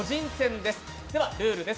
ではルールです。